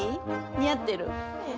似合ってる？